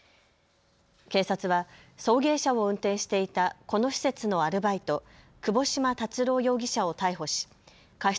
警察は送迎車を運転していたこの施設のアルバイト、窪島達郎容疑者を逮捕し過失